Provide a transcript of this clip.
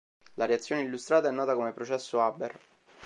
La reazione illustrata è nota come processo Haber.